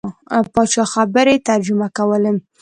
پاچا خبرې ترجمه کولې.